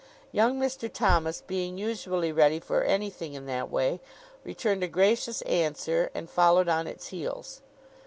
Young Mr. Thomas being usually ready for anything in that way, returned a gracious answer, and followed on its heels.